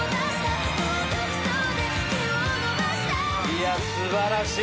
いや素晴らしい。